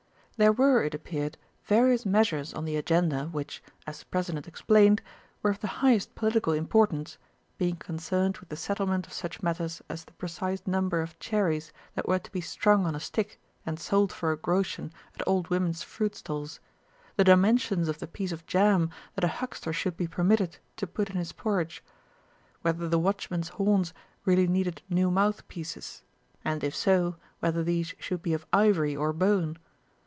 There were, it appeared, various measures on the agenda which, as the President explained, were of the highest political importance, being concerned with the settlement of such matters as the precise number of cherries that were to be strung on a stick and sold for a groschen at old women's fruit stalls; the dimensions of the piece of jam that a huckster should be permitted to put in his porridge; whether the watchmen's horns really needed new mouthpieces, and, if so, whether these should be of ivory or bone.